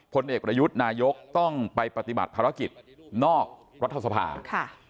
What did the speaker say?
พลเอกประยุทธ์นายกต้องไปปฏิบัติภารกิจนอกรัฐสภาค่ะ